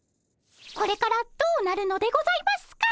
これからどうなるのでございますか？